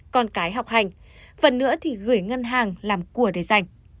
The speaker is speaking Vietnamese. con cái học hành phần nữa thì gửi ngân hàng làm của để dành